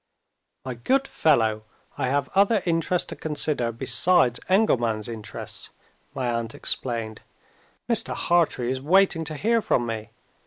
"My good fellow, I have other interests to consider besides Engelman's interests," my aunt explained. "Mr. Hartrey is waiting to hear from me.